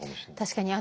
確かに。